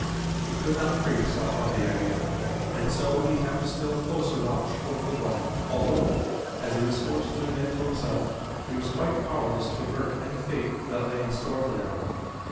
He could not free himself of the idea and so he kept a still closer watch over the black although, as he was forced to admit to himself, he was quite powerless to avert any fate that lay in store for them.